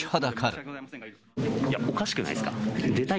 いや、おかしくないですか。